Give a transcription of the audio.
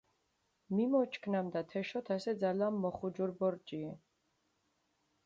მიმოჩქჷ, ნამდა თეშოთ ასე ძალამ მოხუჯურ ბორჯიე.